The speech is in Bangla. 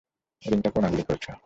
রিং টা কোন আঙ্গুলে পরেছ?